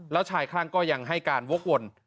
แล้วชายคลั่งก็ยังให้การวกวน